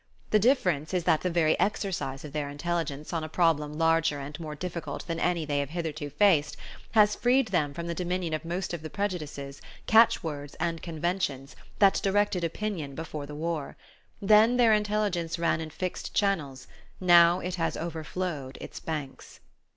The difference is that the very exercise of their intelligence on a problem larger and more difficult than any they have hitherto faced has freed them from the dominion of most of the prejudices, catch words and conventions that directed opinion before the war. Then their intelligence ran in fixed channels; now it has overflowed its banks.